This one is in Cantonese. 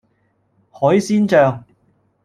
海鮮醬